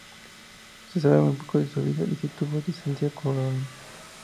Se sabe muy poco de su vida y si tuvo descendencia comprobable.